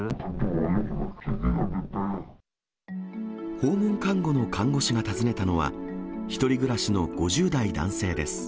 訪問看護の看護師が訪ねたのは、１人暮らしの５０代男性です。